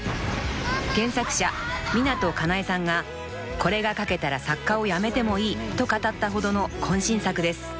［原作者湊かなえさんが「これが書けたら作家を辞めてもいい」と語ったほどの渾身作です］